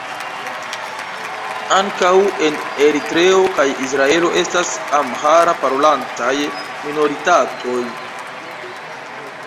Ankaŭ en Eritreo kaj Israelo estas amhara-parolantaj minoritatoj.